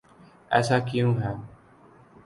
ایسا کیوں ہے؟